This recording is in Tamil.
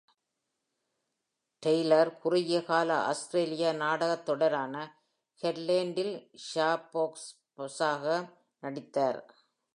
டெய்லர், குறுகிய கால ஆஸ்திரேலிய நாடகத் தொடரான "ஹெட்லேண்ட்"-இல் சாஷா ஃபோர்ப்ஸாக நடித்தார்.